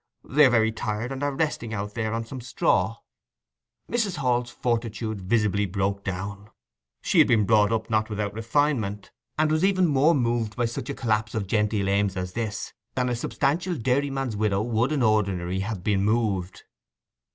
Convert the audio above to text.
They were very tired, and are resting out there on some straw.' Mrs. Hall's fortitude visibly broke down. She had been brought up not without refinement, and was even more moved by such a collapse of genteel aims as this than a substantial dairyman's widow would in ordinary have been moved.